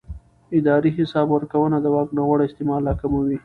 اداري حساب ورکونه د واک ناوړه استعمال راکموي